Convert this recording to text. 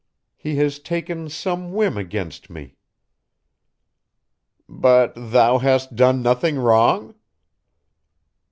He has taken some whim against me." "But thou hast done nothing wrong?"